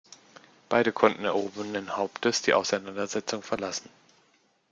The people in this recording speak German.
Beide konnten erhobenen Hauptes die Auseinandersetzung verlassen.